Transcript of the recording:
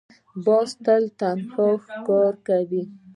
باز تل تنها ښکار کوي